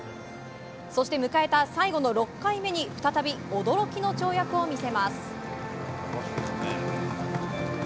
そして迎えた最後の６回目に再び驚きの跳躍を見せます。